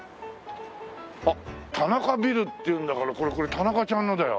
あっ田中ビルっていうんだからこれ田中ちゃんのだよ。